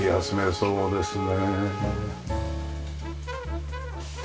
そうですね。